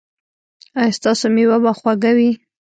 ایا ستاسو میوه به خوږه وي؟